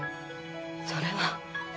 それは。